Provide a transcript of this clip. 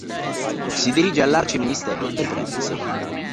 Si dirige all'Arci-Ministero per riprenderselo.